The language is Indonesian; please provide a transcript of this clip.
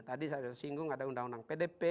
tadi saya singgung ada undang undang pdp